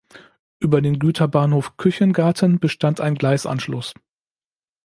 Über den Güterbahnhof Küchengarten bestand ein Gleisanschluss.